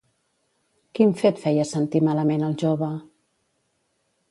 Quin fet feia sentir malament el jove?